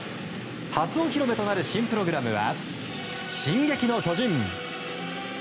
初お披露目となる新プログラムは「進撃の巨人」。